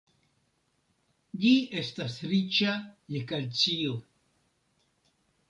Ĝi estas riĉa je kalcio.